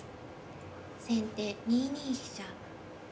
先手２二飛車。